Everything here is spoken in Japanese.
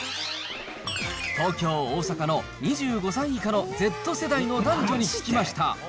東京、大阪の２５歳以下のＺ世代の男女に聞きました。